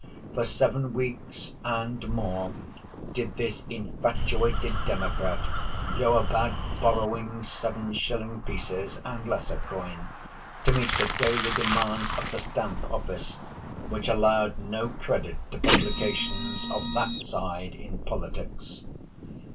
For seven weeks and mote did this infatuated Democrat go about borrowing seven shilling pieces, and lesser coin, to meet the daily demands of the Stamp Office, which allowed no credit to publications of that side in politics.